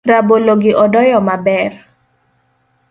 Rabolo gi odoyo maber